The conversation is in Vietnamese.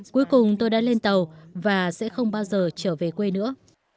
cuối cùng tôi đã lên tàu và sẽ không bao giờ trở về quê nữa